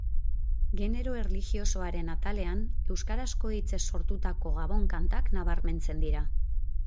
Genero erlijiosoaren atalean euskarazko hitzez sortutako gabon kantak nabarmentzen dira.